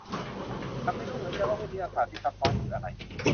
ฉันไม่รู้เหมือนกันว่าวิทยาศาสตร์ที่ซับซ้อนคืออะไร